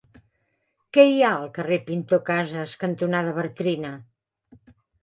Què hi ha al carrer Pintor Casas cantonada Bartrina?